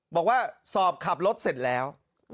บอกว่าสอบขับรถเสร็จแล้ว